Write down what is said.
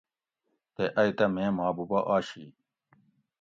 تے ائ تہ میں محبوبہ آشی